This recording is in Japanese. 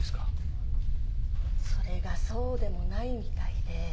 それがそうでもないみたいで。